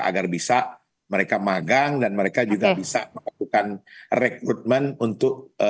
agar bisa mereka magang dan mereka juga bisa melakukan rekrutmen untuk